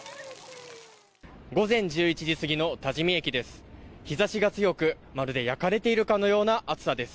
午前１１時過ぎの多治見駅です。